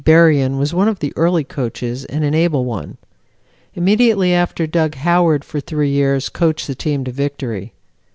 Berrien was one of the early coaches and an able one. Immediately afterward Dug Howard for three years coached the team to victory.